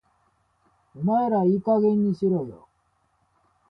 お前らいい加減にしろよ